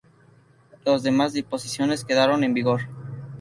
Las demás disposiciones quedaron en vigor.